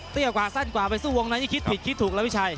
กว่าสั้นกว่าไปสู้วงในนี่คิดผิดคิดถูกแล้วพี่ชัย